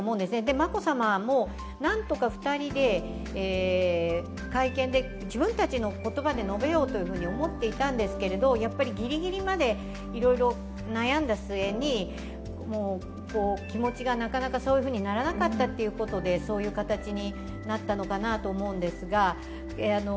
眞子さんも何とか２人で会見で自分たちの言葉で述べようと思っていたんですけれどやっぱりギリギリまでいろいろ悩んだ末に気持ちがなかなかそういうふうにならなかったということでそういう形になったのかなと思うんですが。